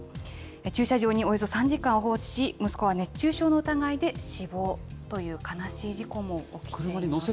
駐車場におよそ３時間放置し、息子は熱中症の疑いで死亡という悲しい事故も起きています。